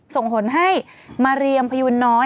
ส่งผลให้มาเรียมพยูนน้อย